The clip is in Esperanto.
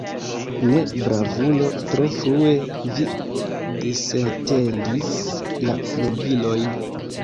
Ne, bravulo, tro frue vi disetendis la flugilojn!